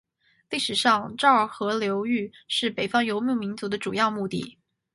历史上洮儿河流域是北方游牧民族的主要牧地。